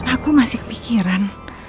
aku masih kepikiran